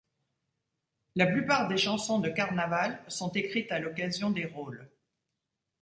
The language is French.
La plupart des chansons de Carnaval sont écrites à l’occasion des rôles.